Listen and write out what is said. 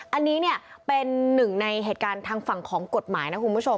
อันนี้เนี่ยเป็นหนึ่งในเหตุการณ์ทางฝั่งของกฎหมายนะคุณผู้ชม